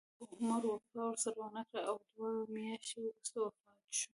خو عمر وفا ورسره ونه کړه او دوه میاشتې وروسته وفات شو.